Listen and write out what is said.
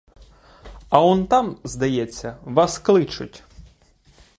А он там, здається, вас кличуть?